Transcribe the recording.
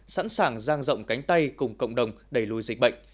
sẵn sàng giang rộng cánh tay cùng cộng đồng đẩy lùi dịch bệnh